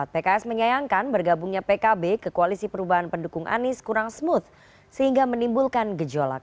pks menyayangkan bergabungnya pkb ke koalisi perubahan pendukung anies kurang smooth sehingga menimbulkan gejolak